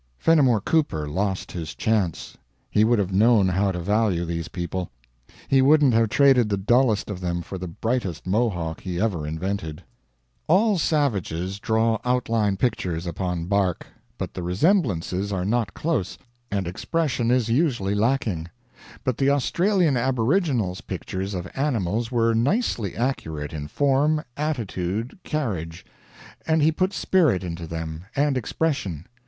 Fennimore Cooper lost his chance. He would have known how to value these people. He wouldn't have traded the dullest of them for the brightest Mohawk he ever invented. All savages draw outline pictures upon bark; but the resemblances are not close, and expression is usually lacking. But the Australian aboriginal's pictures of animals were nicely accurate in form, attitude, carriage; and he put spirit into them, and expression.